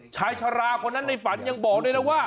ชายชาราคนนั้นในฝันยังบอกได้แล้ววะ